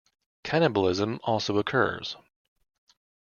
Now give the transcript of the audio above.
Cannibalism also occurs.